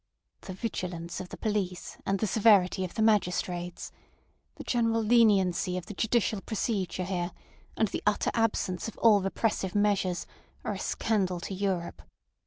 "The vigilance of the police—and the severity of the magistrates. The general leniency of the judicial procedure here, and the utter absence of all repressive measures, are a scandal to Europe.